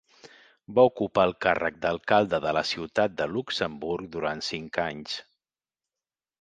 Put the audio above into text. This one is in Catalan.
Va ocupar el càrrec d'alcalde de la ciutat de Luxemburg durant cinc anys.